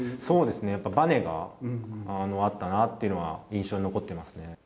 そうですね、やっぱばねがあったなっていうのは印象に残ってますね。